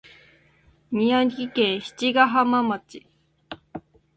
宮城県七ヶ浜町